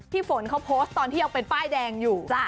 ฝนเขาโพสต์ตอนที่ยังเป็นป้ายแดงอยู่